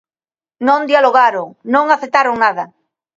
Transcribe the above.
Non dialogaron, non aceptaron nada.